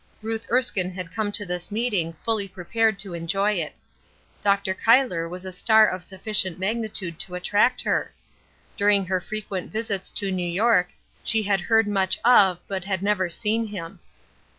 Ruth Erskine had come to this meeting fully prepared to enjoy it. Dr. Cuyler was a star of sufficient magnitude to attract her. During her frequent visits to New York she had heard much of but had never seen him.